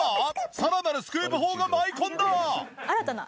さらなるスクープ砲が舞い込んだ！